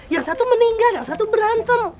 yang satu meninggal yang satu berantem